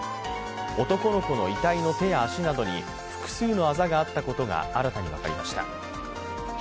男の子の遺体の手や足などに複数のあざがあったことが新たに分かりました。